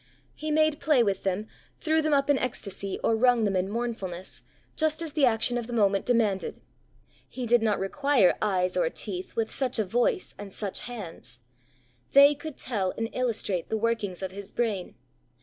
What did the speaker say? He made play with them, threw them up in ecstasy, or wrung them in mournfulness, just as the action of the moment demanded. He did not require eyes or teeth with such a voice and such hands; they could tell and illustrate the workings of his brain.